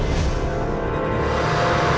tidak ada apa apa